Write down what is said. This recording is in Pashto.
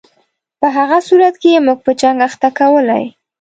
په هغه صورت کې یې موږ په جنګ اخته کولای.